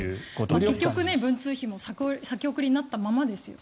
結局文通費も先送りになったままですよね。